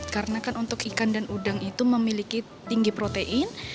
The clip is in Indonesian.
karena kan untuk ikan dan udang itu memiliki tinggi protein